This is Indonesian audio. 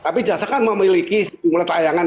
tapi jasa kan memiliki simulat layangan